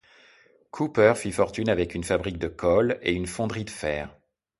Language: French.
Cooper fit fortune avec une fabrique de colle, et une fonderie de fer.